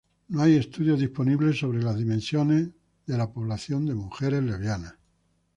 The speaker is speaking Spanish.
No hay estudios disponibles sobre la dimensión de la población de mujeres lesbianas.